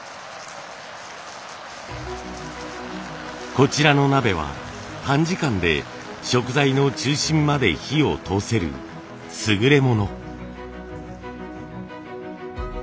こちらの鍋は短時間で食材の中心まで火を通せる優れもの。